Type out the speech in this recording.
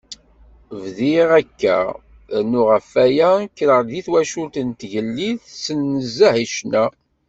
Bdiɣ akka, rnu ɣef waya, kkreɣ-d deg twacult d tigellilt tsel nezzeh i ccna.